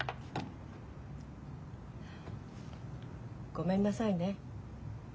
ごめんなさいね。